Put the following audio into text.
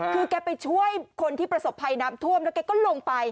คือแกไปช่วยคนที่ประสบภัยน้ำท่วมแล้วแกก็ลงไป